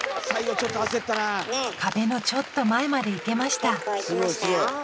壁のちょっと前まで行けました